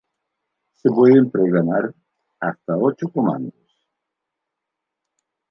Se pueden programar hasta ocho comandos.